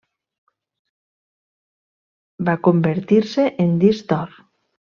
Va convertir-se en Disc d'Or.